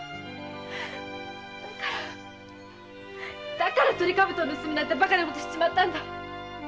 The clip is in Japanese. だからトリカブトを持ち出すなんてバカなことをしちまったんだ！